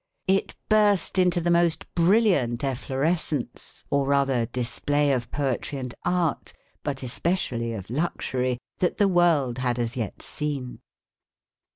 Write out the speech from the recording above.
It burst into the most brilliant efflorescence, or rather display of poetry and art, but especially of luxury, that the world had as yet seen.